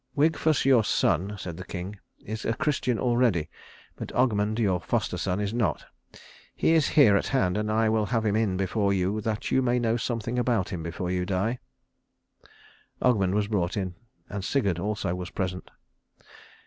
"Wigfus your son," said the king, "is a Christian already; but Ogmund your foster son is not. He is here at hand, and I will have him in before you that you may know something about him before you die." Ogmund was brought in, and Sigurd also was present.